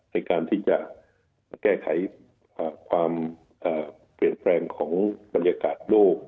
ในการที่จะแก้ไขความเปลี่ยนแปลงของบรรยากาศโลก